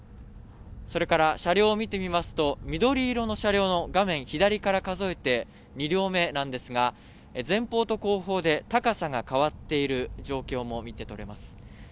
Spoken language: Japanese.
それから車両を見てみますと緑色の車両の画面から見て２両目、前方と後方で高さが変わっている状況も見て取れます。